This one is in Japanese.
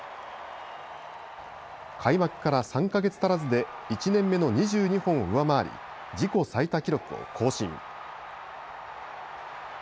開幕から３か月足らずで１年目の２２本を上回り自己最多記録を更新。